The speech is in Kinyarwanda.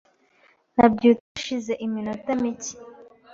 Nabyutse hashize iminota mike .